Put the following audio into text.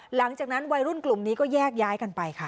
หลังจากนั้นวัยรุ่นกลุ่มนี้ก็แยกย้ายกันไปค่ะ